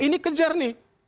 ini kejar nih